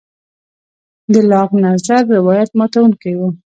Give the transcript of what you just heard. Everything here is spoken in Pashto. د لاک نظر روایت ماتوونکی و.